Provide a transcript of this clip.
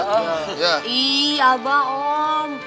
iya abah om